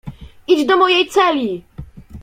"Idź do mojej celi!"